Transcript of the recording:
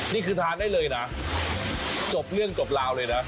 นี่คือทานได้เลยนะจบเรื่องจบราวเลยนะ